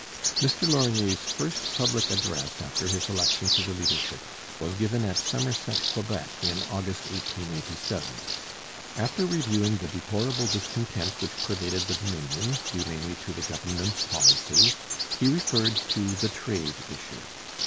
Mr Laurier's first public address after his election to the leadership was given at Somerset, Quebec, in August 1887. After reviewing the deplorable discontent which pervaded the Dominion, due mainly to the Government's policy, he referred to the trade issue.